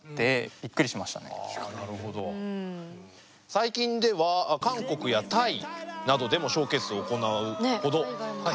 最近では韓国やタイなどでもショーケースを行うほど海外での人気も。